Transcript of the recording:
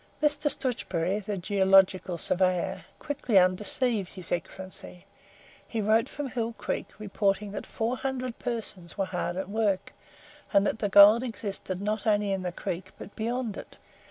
Mr Stutchbury, the geological surveyor, quickly undeceived his Excellency. He wrote from Hill Creek reporting that four hundred persons were hard at work, and that the gold existed not only in the creek but beyond it.